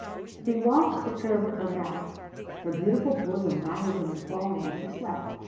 He watched the curve of her mouth. Her beautiful bosom rising and falling as she slept.